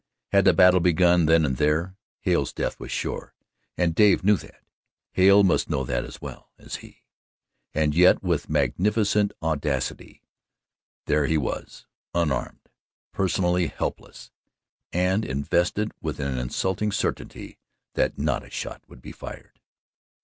Had the battle begun then and there, Hale's death was sure, and Dave knew that Hale must know that as well as he: and yet with magnificent audacity, there he was unarmed, personally helpless, and invested with an insulting certainty that not a shot would be fired.